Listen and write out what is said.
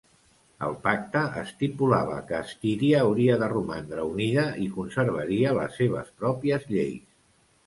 El pacte estipulava que Estíria hauria de romandre unida i conservaria les seves pròpies lleis.